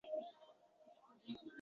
Qancha tez to‘lasa, shuncha yaxshi